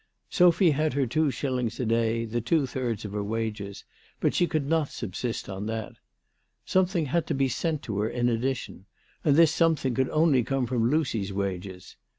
Sophy had her two shillings a day, the two thirds of her wages, but she could not subsist on that. Something had to be sent to her in addition, and this something could only come from Lucy's wages.